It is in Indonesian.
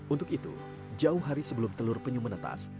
untuk itu jauh hari sebelum telur penyu menetas